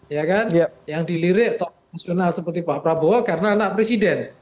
ya kan yang dilirik tokoh nasional seperti pak prabowo karena anak presiden